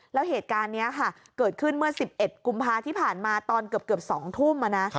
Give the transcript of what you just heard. แล้วเหตุการณ์นี้ค่ะเกิดขึ้นเมื่อ๑๑กุมภาที่ผ่านมาตอนเกือบ๒ทุ่ม